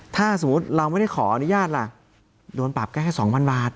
ถ้าสมมุติเราไม่ได้ขออนุญาตล่ะโดนปรับแค่๒๐๐บาท